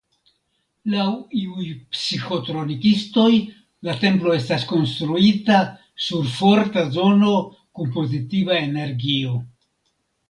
Laŭ iuj psiĥotronikistoj la templo estas konstruita sur forta zono kun pozitiva energio.